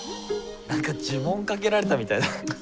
何か呪文かけられたみたいだ。